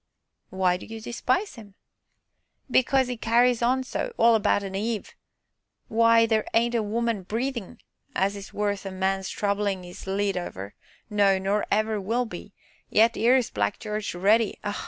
"Why do you despise him?" "Because 'e carries on so, all about a Eve w'y, theer ain't a woman breathin' as is worth a man's troublin' 'is 'ead over, no, nor never will be yet 'ere's Black Jarge ready ah!